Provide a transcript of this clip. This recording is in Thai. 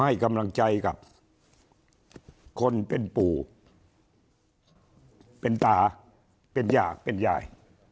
ให้กำลังใจกับคนเป็นปู่เป็นตาเป็นยากเป็นยาย